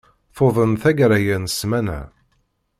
Tuḍen tagara-ya n ssmana.